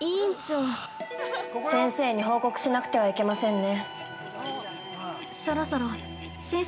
先生に報告しなくてはいけませんね。